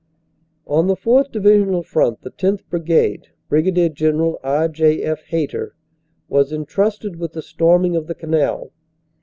On the 4th. Divisional front the 10th. Brigade, Brig. Gen eral R. J. F. Hayter, was entrusted with the storming of the canal.